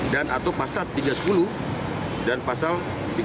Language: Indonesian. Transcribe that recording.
dan atau pasal tiga ratus sepuluh dan pasal tiga ratus sebelas